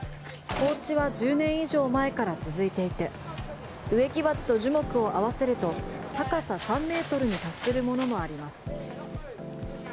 放置は１０年以上前から続いていて植木鉢と樹木を合わせると高さ３ｍに達するものもあります。